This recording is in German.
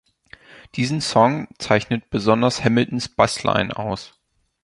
Diesen Song zeichnet besonders Hamiltons Bassline aus.